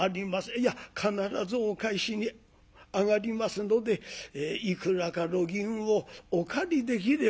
いや必ずお返しに上がりますのでいくらか路銀をお借りできれば」。